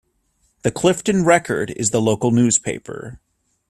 "The Clifton Record" is the local newspaper.